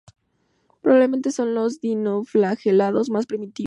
Probablemente son los dinoflagelados más primitivos.